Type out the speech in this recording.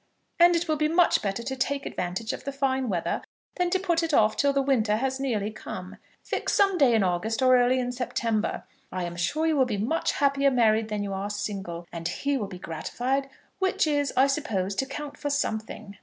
And it will be much better to take advantage of the fine weather than to put it off till the winter has nearly come. Fix some day in August or early in September. I am sure you will be much happier married than you are single; and he will be gratified, which is, I suppose, to count for something.